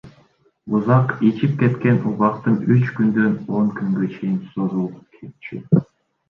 Узак ичип кеткен убактым үч күндөн он күнгө чейин созулуп кетчү.